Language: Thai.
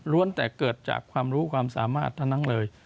แต่เกิดจากความรู้ความสามารถทั้งนั้นเลย